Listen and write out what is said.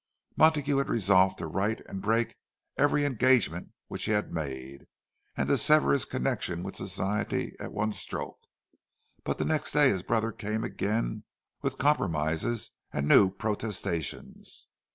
Montague had resolved to write and break every engagement which he had made, and to sever his connection with Society at one stroke. But the next day his brother came again, with compromises and new protestations.